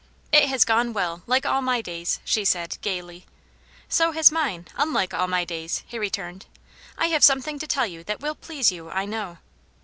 "It has gone well, like all my days/* she said, gaily. " So has mine, unlike all my days," he returned. " I have something to tell you that will please you, I know."